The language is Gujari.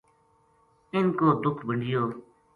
اِنھ کو دُکھ بنڈیو